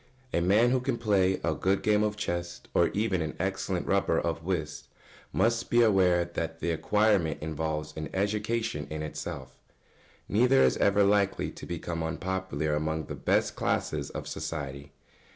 ] A man who can play a good game of chess, or even an excellent rubber of whist, must be aware that the acquirement involves an education in itself. Neither is ever likely to become unpopular among the best classes of society.